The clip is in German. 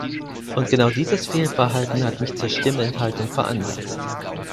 Und genau dieses Fehlverhalten hat mich zur Stimmenthaltung veranlasst.